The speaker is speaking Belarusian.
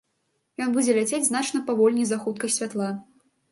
Ён будзе ляцець значна павольней за хуткасць святла.